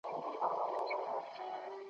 قوماندان وايی بری دی ځو پر لنډه لار رسیږو ,